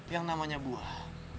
yang namanya buah